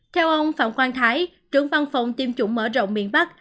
theo ông phạm quang thái trưởng văn phòng tiêm chủng mở rộng miền bắc